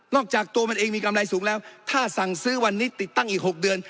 จากตัวมันเองมีกำไรสูงแล้วถ้าสั่งซื้อวันนี้ติดตั้งอีก๖เดือน